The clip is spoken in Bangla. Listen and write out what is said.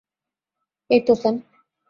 এই তো, স্যাম।